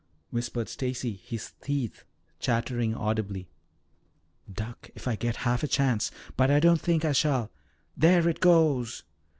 whispered Stacy, his teeth chattering audibly. "Duck, if I get half a chance. But I don't think I shall. There it goes!"